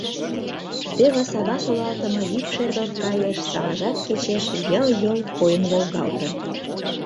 Теве сава солалтыме йӱк шергылт кайыш, саважат кечеш йыл-йол койын волгалте.